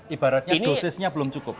ibaratnya dosisnya belum cukup